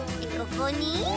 ここに。